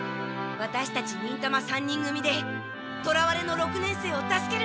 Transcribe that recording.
ワタシたち忍たま３人組でとらわれの六年生を助けるんだ！